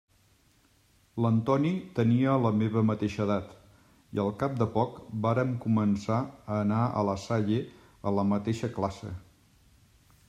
L'Antoni tenia la meva mateixa edat, i al cap de poc vàrem començar a anar a la Salle a la mateixa classe.